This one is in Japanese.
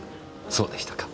そうでしたか。